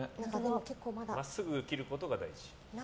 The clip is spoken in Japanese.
まっすぐ切ることが大事。